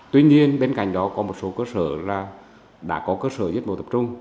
tuy nhiên bên cạnh đó có một số cơ sở đã có cơ sở giết mổ tập trung